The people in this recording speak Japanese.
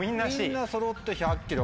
みんなそろって１００ｋｇ。